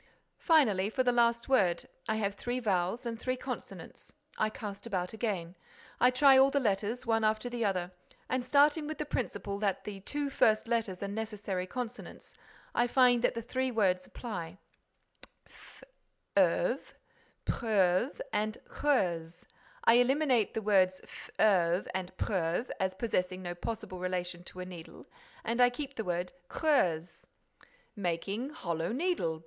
"Finally, for the last word, I have three vowels and three consonants. I cast about again, I try all the letters, one after the other, and, starting with the principle that the two first letters are necessary consonants, I find that three words apply: fleuve, preuve and creuse. I eliminate the words fleuve and preuve, as possessing no possible relation to a needle, and I keep the word creuse." "Making 'hollow needle'!